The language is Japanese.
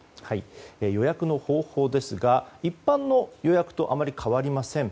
予約の方法ですが、一般の予約とあまり変わりません。